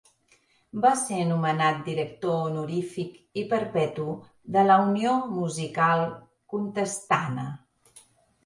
Va ser nomenat director honorífic i perpetu de la Unió Musical Contestana.